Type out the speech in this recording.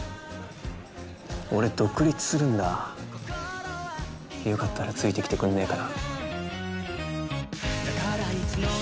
俺独立するんだよかったらついてきてくんねえかな？